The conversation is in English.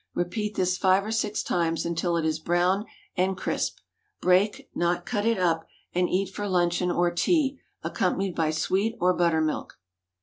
Repeat this five or six times until it is brown and crisp. Break—not cut it up—and eat for luncheon or tea, accompanied by sweet or buttermilk.